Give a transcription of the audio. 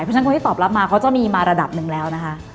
เพราะฉะนั้นคนที่ตอบรับมาเขาจะมีมาระดับหนึ่งแล้วนะคะ